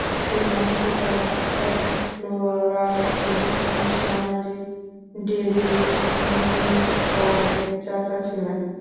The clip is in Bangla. তিনি আফ্রিকান এক্সপ্লোরার এবং মিশনারি ডেভিড লিভিংস্টোন এর চাচা ছিলেন।